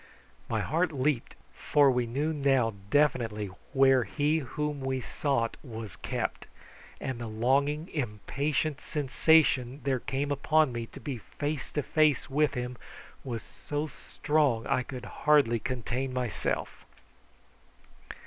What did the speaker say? My heart leaped, for we knew now definitely where he whom we sought was kept, and the longing, impatient sensation there came upon me to be face to face with him was so strong that I could hardly contain myself.